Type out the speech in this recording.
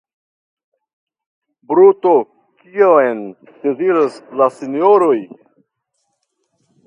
Bruto, kion deziras la sinjoroj?